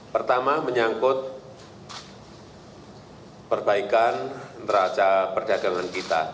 pertama menyangkut perbaikan neraca perdagangan kita